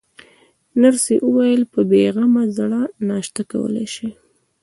نرسې وویل: په بې غمه زړه ناشته کولای شئ.